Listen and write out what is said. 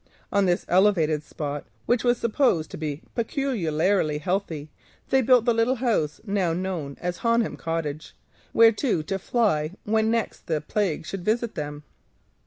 On this elevated spot, which was supposed to be peculiarly healthy, they built the little house now called Honham Cottage, whereto to fly when next the plague should visit them.